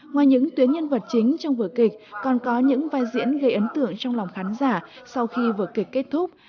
ngoài những tuyến nhân vật chính trong vở kịch còn có những vai diễn gây ấn tượng trong lòng khán giả sau khi vở kịch kết thúc